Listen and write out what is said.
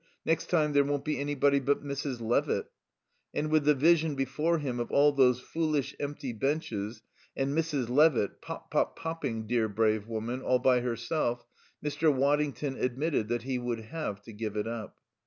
"Next time there won't be anybody but Mrs. Levitt." And with the vision before him of all those foolish, empty benches and Mrs. Levitt, pop popping, dear brave woman, all by herself, Mr. Waddington admitted that he would have to give it up.